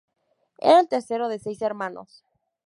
Era el tercero de seis hermanos.